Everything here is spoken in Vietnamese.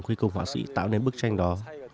cùng với các họa sĩ tạo nên bức tranh đó